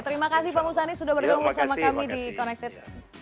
terima kasih pak musani sudah bergabung sama kami di connected